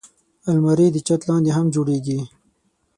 الماري د چت لاندې هم جوړېږي